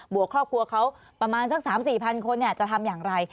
วกครอบครัวเขาประมาณสัก๓๔พันคนจะทำอย่างไร